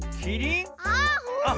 あっ！